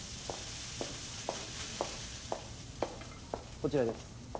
こちらです。